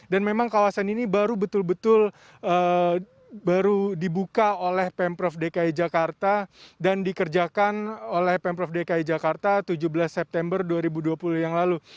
dan memang kawasan ini baru betul betul dibuka oleh pemprov dki jakarta dan dikerjakan oleh pemprov dki jakarta tujuh belas september dua ribu dua puluh yang lalu